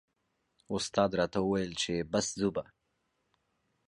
استاد راته و ویل چې بس ځو به.